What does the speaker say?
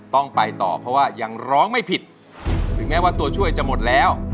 ต้องไปต่อเพราะว่ายังร้องไม่ผิดถึงแม้ว่าตัวช่วยจะหมดแล้ว